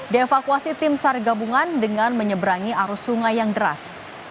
dievakuasi tim sar gabungan dengan menyeberangi arus sungai yang deras